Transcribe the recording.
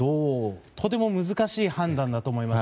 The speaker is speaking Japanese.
とても難しい判断だと思います。